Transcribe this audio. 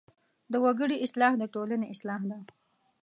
د وګړي اصلاح د ټولنې اصلاح ده.